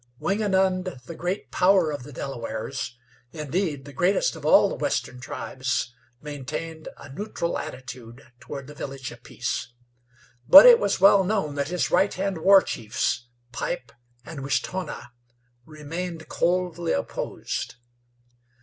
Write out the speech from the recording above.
Wingenund, the great power of the Delawares indeed, the greatest of all the western tribes maintained a neutral attitude toward the Village of Peace. But it was well known that his right hand war chiefs, Pipe and Wishtonah, remained coldly opposed.